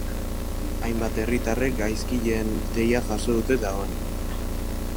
Hainbat herritarrek gaizkileen deia jaso dute dagoeneko.